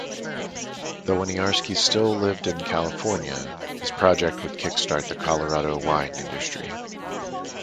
Though Winiarski still lived in California, this project would kickstart the Colorado wine industry.